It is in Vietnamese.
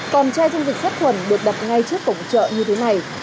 còn chai dung dịch sát khuẩn được đặt ngay trước cổng chợ như thế này